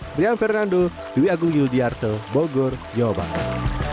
brian fernando dewi agung yudiarto bogor jawa barat